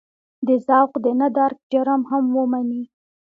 د ذوق د نه درک جرم هم ومني.